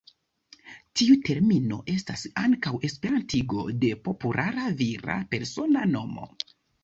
Tiu termino estas ankaŭ esperantigo de populara vira persona nomo.